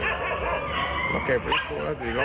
อย่างนี้ถ้าเกิดวัดมันขึ้นทะเบียนวัดก็ต้องมีภาระถูกไหม